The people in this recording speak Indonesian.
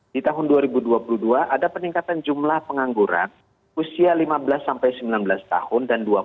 di tahun dua ribu dua puluh dua ada peningkatan jumlah pengangguran usia lima belas sampai sembilan belas tahun dan dua puluh tahun